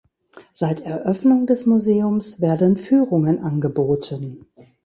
Seit Eröffnung des Museums werden Führungen angeboten.